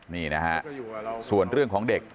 นี่นะฮะส่วนเรื่องของเด็ก